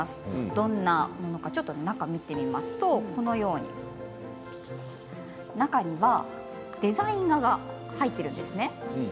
どんなものか中を見てみますと中にはデザイン画が入っているんですね。